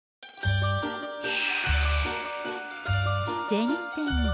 銭天堂。